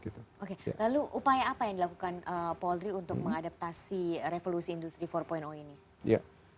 lalu upaya apa yang dilakukan paul dries untuk mengadaptasi revolusi industri empat ini